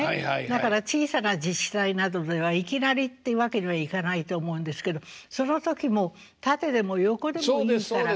だから小さな自治体などではいきなりってわけにはいかないと思うんですけどその時も縦でも横でもいいから。